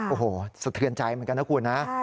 โอ้โหสะเทือนใจเหมือนกันนะคุณนะ